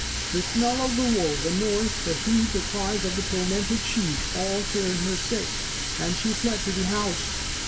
The smell of the wool, the noise, the heat, the cries of the tormented sheep, all turned her sick, and she fled to the house.